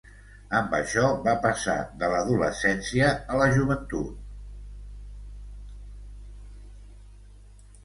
Amb això va passar de l'adolescència a la joventut.